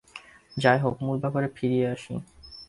যাই হোক, মূল ব্যাপারে ফিরে আসি।